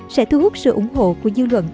sẽ thu hút sự ủng hộ của dư luận